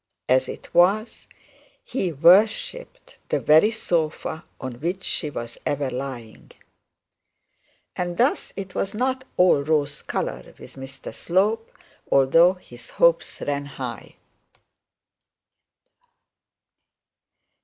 As it was, he worshipped the very sofa on which she was ever lying. And thus it was not all rose colour with Mr Slope, although his hopes ran high.